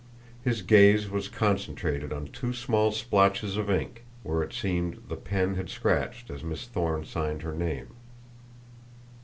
His gaze was concentrated on two small splotches of ink where, it seemed, the pen had scratched as Miss Thorne signed her name.